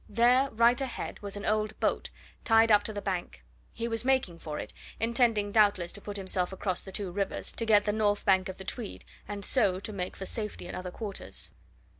There, right ahead, was an old boat, tied up to the bank he was making for it, intending doubtless to put himself across the two rivers, to get the north bank of the Tweed, and so to make for safety in other quarters.